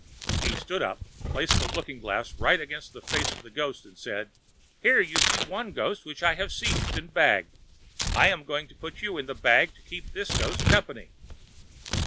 He stood up, placed the looking glass right against the face of the ghost, and said, "Here you see one ghost which I have seized and bagged; I am going to put you also in the bag to keep this ghost company."